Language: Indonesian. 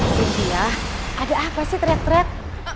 astaga ada apa sih terat terat